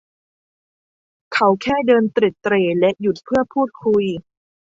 เขาแค่เดินเตร็ดเตร่และหยุดเพื่อพูดคุย